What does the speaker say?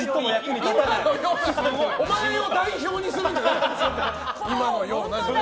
お前を代表にするんじゃない。